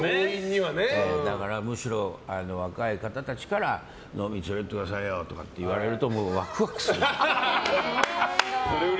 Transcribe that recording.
だから、むしろ若い方たちから飲みに連れてってくださいよとか言われたらもう、ワクワクする。